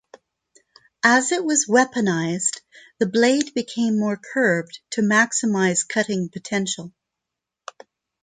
As it was weaponised, the blade became more curved to maximise cutting potential.